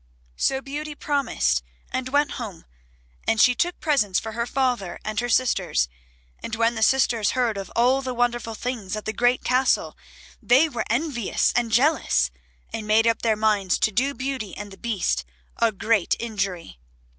So Beauty promised and went home, and she took presents for her father and her sisters, and when the sisters heard of all the wonderful things at the great Castle, they were envious and jealous, and made up their minds to do Beauty and the Beast a great injury.